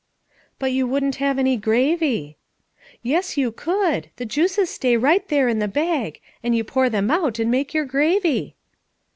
"But you couldn't have any gravy." "Yes you could; the juices stay right there in the bag, and you pour them out and make your gravy."